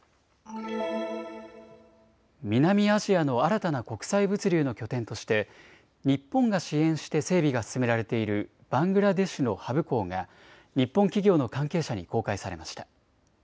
南アジアの新たな国際物流の拠点として日本が支援して整備が進められているバングラデシュのハブ港が、日本企業の関係者に公開されました。